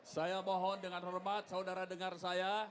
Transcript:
saya mohon dengan hormat saudara dengar saya